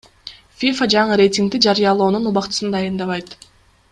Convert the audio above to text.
ФИФА жаңы рейтингди жарыялоонун убактысын дайындабайт.